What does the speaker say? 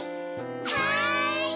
はい！